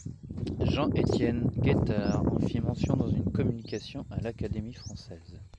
Jean-Étienne Guettard en fit mention dans une communication à l'Académie française.